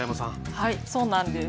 はいそうなんです。